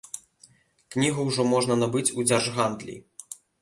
Кнігу ўжо можна набыць у дзяржгандлі.